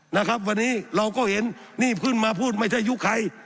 นะครับวันนี้เราก็เห็นนี่ขึ้นมาพูดไม่ใช่ยุคใคร